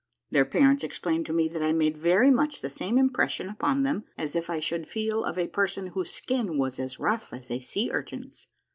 Their parents explained to me that I made very much the same impression upon them as if I sliould feel of a person whose skin was as rough as a sea urchin's.